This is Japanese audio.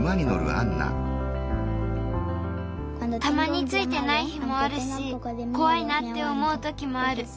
たまについてない日もあるしこわいなっておもうときもある。